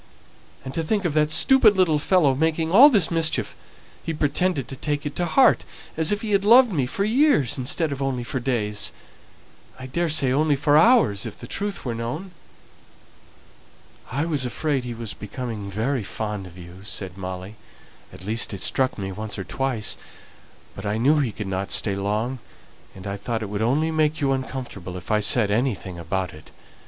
And to think of that stupid little fellow making all this mischief! He pretended to take it to heart, as if he had loved me for years instead of only for days. I daresay only for hours if the truth were told." "I was afraid he was becoming very fond of you," said Molly; "at least it struck me once or twice; but I knew he could not stay long, and I thought it would only make you uncomfortable if I said anything about it.